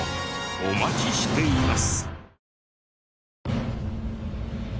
お待ちしています。